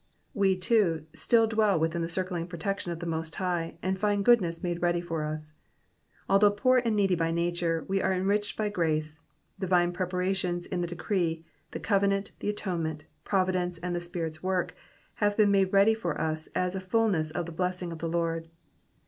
We, too, still dwell within the circling protection of the Most High, and find goodness made ready lor us : although poor and needy by nature, we are enriched by grace ; divine preparations in the decree, the cove nant, the atonement, providence, and the Spirit's work, have made ready for us a fulness of the blessing of the Lord.